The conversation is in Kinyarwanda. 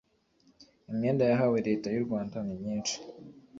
imyenda yahawe Leta y u Rwanda nimyinshi